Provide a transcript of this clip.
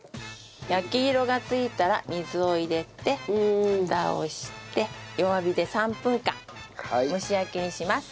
焼き色が付いたら水を入れてフタをして弱火で３分間蒸し焼きにします。